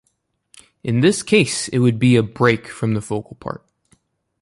In this case it would be a "break" from the vocal part.